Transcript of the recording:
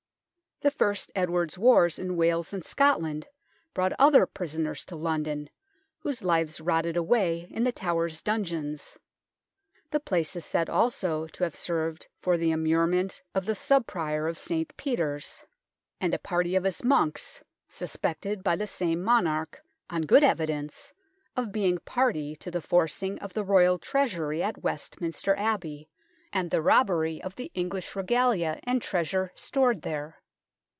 The first Edward's wars in Wales and Scotland brought other prisoners to London, whose lives rotted away in The Tower's dungeons. The place is said also to have served for the immurement of the Sub Prior of St. Peter's and a party of his 48 THE TOWER OF LONDON monks, suspected by the same monarch, on good evidence, of being party to the forcing of the Royal Treasury at Westminster Abbey, and the robbery of the English regalia and treasure stored there.